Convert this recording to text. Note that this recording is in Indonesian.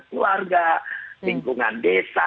keluarga lingkungan desa